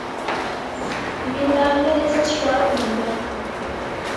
Wǝ laa lai zah swaa ɓirah.